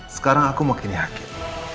sekarang aku mau kini akhir